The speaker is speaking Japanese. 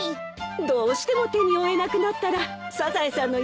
どうしても手に負えなくなったらサザエさんの家に連れていって。